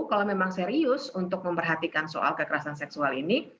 kalau memang serius untuk memperhatikan soal kekerasan seksual ini